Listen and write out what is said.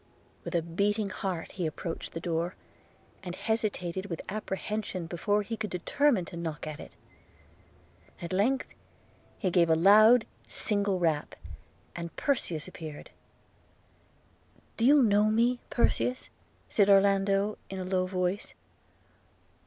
With a beating heart he approached the door, and hesitated with apprehension before he could determine to knock at it. At length he gave a loud single rap, and Perseus appeared. – 'Do you know me, Perseus?' said Orlando, in a low voice.